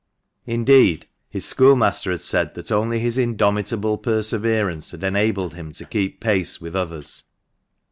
Indeed, his schoolmaster had said that only his indomitable perseverance had enabled him to keep pace with others.